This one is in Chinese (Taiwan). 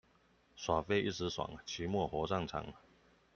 耍廢一時爽，期末火葬場